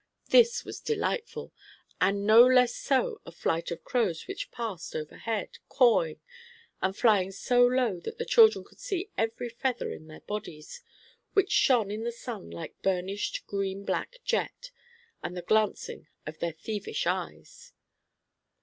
This was delightful; and no less so a flight of crows which passed overhead, cawing, and flying so low that the children could see every feather in their bodies, which shone in the sun like burnished green black jet, and the glancing of their thievish eyes.